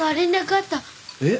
えっ？